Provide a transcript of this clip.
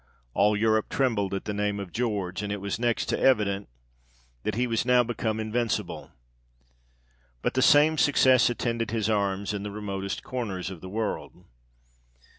All Europe trembled at the name of George ; and it was next to evident, that he was now become invincible. But the same success attended his arms in the remotest corners of the world.